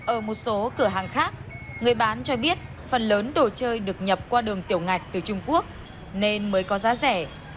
ở một số cửa hàng khác người bán cho biết phần lớn đồ chơi được nhập qua đường tiểu ngạch từ trung quốc nên mới có giá rẻ